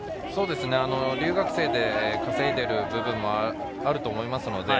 留学生で稼いでいる部分もあると思います。